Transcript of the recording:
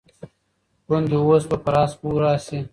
ګوندي اوس به پر آس سپور راشي.